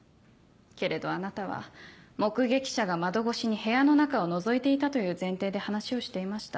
けれどあなたは目撃者が窓越しに部屋の中をのぞいていたという前提で話をしていました。